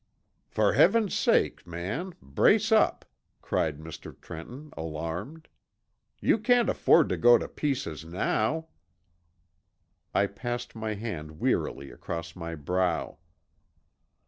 "For heaven's sake, man, brace up!" cried Mr. Trenton alarmed. "You can't afford to go to pieces now!" I passed my hand wearily across my brow.